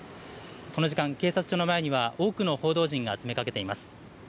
この時間、警察署の前には多くの報道陣が詰めかけています。